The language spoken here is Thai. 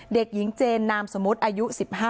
เด็กหญิงเจนนามสมมุติอายุ๑๕